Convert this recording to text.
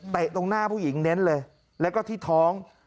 ตรงหน้าผู้หญิงเน้นเลยแล้วก็ที่ท้อง